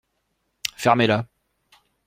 Fermez-la.